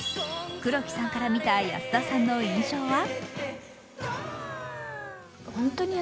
黒木さんから見た安田さんの印象は？